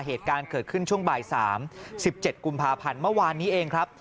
เหตุการณ์เกิดขึ้นช่วงบ่าย๓๑๗กุมภาพันธ์เมื่อวานนี้เองครับ